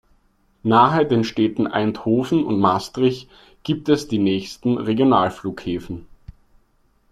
Nahe den Städten Eindhoven und Maastricht gibt es die nächsten Regionalflughäfen.